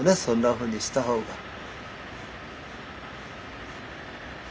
そんなふうにした方が。